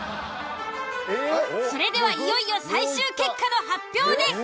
それではいよいよ最終結果の発表です。